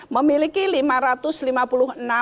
memiliki lima ratus lima puluh enam orang